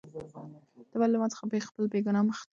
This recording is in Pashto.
ته ولې له ما څخه خپل بېګناه مخ پټوې؟